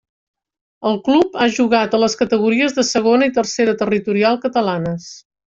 El club ha jugat a les categories de Segona i Tercera territorial catalanes.